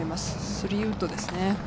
３ウッドでした。